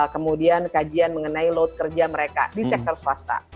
kemudian kajian mengenai load kerja mereka di sektor swasta